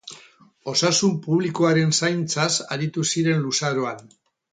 Osasun publikoaren zaintzaz aritu ziren luzaroan.